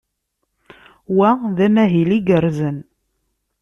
Wa d amahil igerrzen.